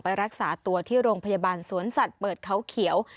รักษาตัวที่โรงพยาบาลสวนสัตว์เปิดเขาเขียว